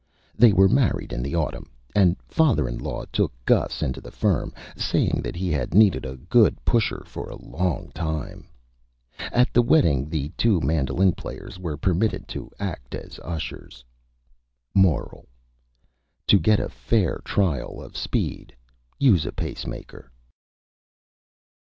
They were Married in the Autumn, and Father in Law took Gus into the Firm, saying that he had needed a good Pusher for a Long Time. At the Wedding the two Mandolin Players were permitted to act as Ushers. MORAL: _To get a fair Trial of Speed, use a Pace Maker.